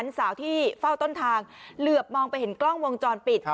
สาวที่เฝ้าต้นทางเหลือบมองไปเห็นกล้องวงจรปิด